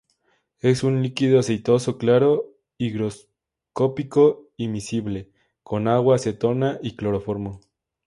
Es un líquido aceitoso claro, higroscópico y miscible con agua, acetona, y cloroformo.